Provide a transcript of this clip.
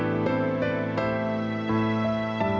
สนุนโดยโอลี่คัมรี่ยากที่ใครจะกลางตัวเนื้อ